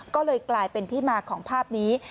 ก็เลยกลายเป็นที่มาของภาพนี้